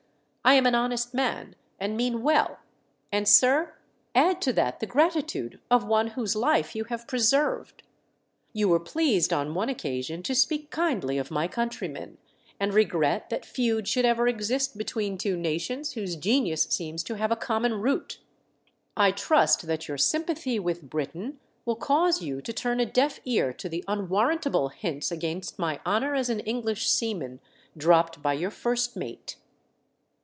I am an honest man and mean well, and, sir, add to that the gratitude of one whose life you have preserved. You were pleased, on one occasion, to speak kindly of my country men, and regret that feud should ever exist WE SIGHT A SHIP. 237 between two nations whose genius seems to have a common root. I trust that your sympathy with Britain will cause you to turn a deaf ear to the unwarrantable hints against my honour as an English seaman, dropped by your first mate."